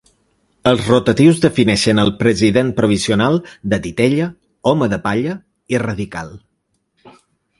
Els rotatius defineixen el president provisional de ‘titella’, ‘home de palla’ i ‘radical’